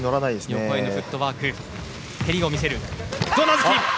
横へのフットワーク蹴りを見せる、上段突き。